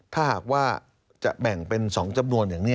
ถ้าหากว่าจะแบ่งเป็น๒จำนวนอย่างนี้